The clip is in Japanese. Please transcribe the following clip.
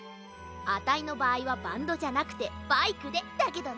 あたいのばあいはバンドじゃなくてバイクでだけどな。